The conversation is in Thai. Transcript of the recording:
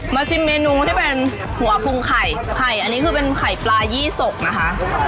ชิมเมนูที่เป็นหัวพุงไข่ไข่อันนี้คือเป็นไข่ปลายี่สกนะคะ